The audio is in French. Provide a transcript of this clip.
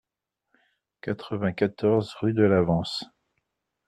quatre-vingt-quatorze rue de l'Avance